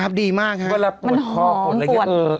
ครับดีมากครับมันหอมปวด